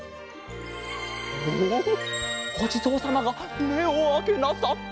おおおじぞうさまがめをあけなさった！